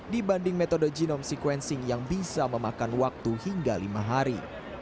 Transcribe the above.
dibanding metode genome sequencing yang bisa memakan waktu hingga lima hari